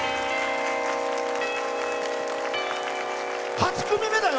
８組目だよ！